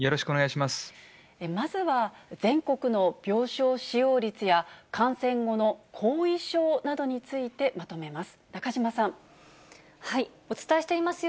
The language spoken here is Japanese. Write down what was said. まずは、全国の病床使用率や、感染後の後遺症などについて、まとめます。